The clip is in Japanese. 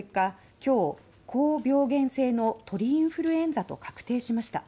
今日、高病原性の鳥インフルエンザと確定しました。